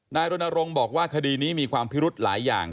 รณรงค์บอกว่าคดีนี้มีความพิรุธหลายอย่าง